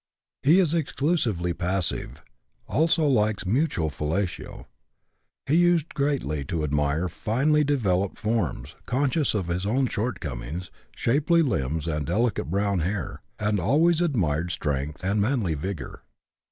He is exclusively passive; also likes mutual fellatio. He used greatly to admire finely developed forms (conscious of his own shortcomings), shapely limbs, and delicate brown hair, and always admired strength and manly vigor.